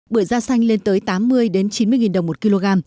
bưởi da xanh lên tới tám mươi chín mươi nghìn đồng một kg